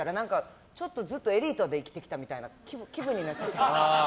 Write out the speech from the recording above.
ちょっと、ずっとエリートで生きてきたみたいな気分になっちゃって。